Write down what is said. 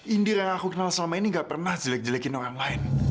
indira yang aku kenal selama ini gak pernah jelek jelekin orang lain